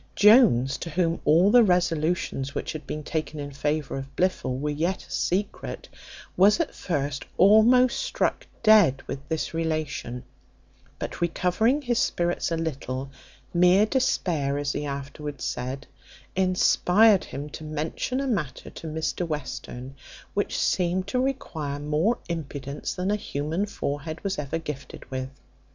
Jones, to whom all the resolutions which had been taken in favour of Blifil were yet a secret, was at first almost struck dead with this relation; but recovering his spirits a little, mere despair, as he afterwards said, inspired him to mention a matter to Mr Western, which seemed to require more impudence than a human forehead was ever gifted with.